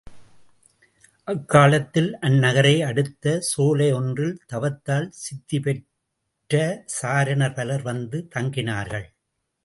அக்காலத்தில் அந்நகரை அடுத்த சோலை ஒன்றில் தவத்தால் சித்திபெற்ற சாரணர் பலர் வந்து தங்கினார்கள்.